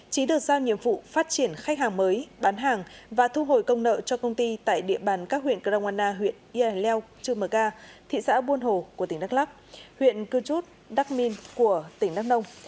trí được giao nhiệm vụ phát triển khách hàng mới bán hàng và thu hồi công nợ cho công ty tại địa bàn các huyện grongwana huyện ia leu trương mờ ca thị xã buôn hồ của tỉnh đắk lắc huyện cư chút đắk minh của tỉnh đắk nông